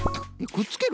くっつける？